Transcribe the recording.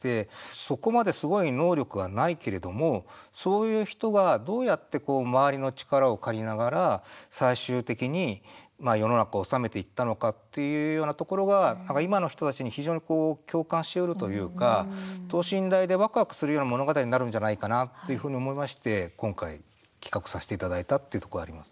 そこまで、すごい能力はないけれども、そういう人がどうやって周りの力を借りながら最終的に世の中を治めていったのかっていうようなところが今の人たちに非常に共感しうるというか等身大でわくわくするような物語になるんじゃないかなというふうに思いまして今回企画させていただいたっていうところはあります。